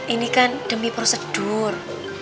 ini kan demi prosedur